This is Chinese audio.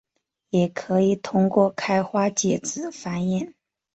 也可以通过开花结籽繁衍。